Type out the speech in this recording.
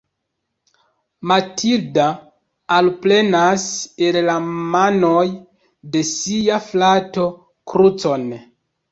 Matilda alprenas el la manoj de sia frato krucon.